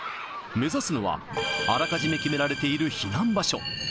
目指すのは、あらかじめ決められている避難場所。